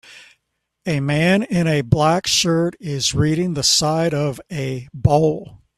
A man in a black shirt is reading the side of a bowl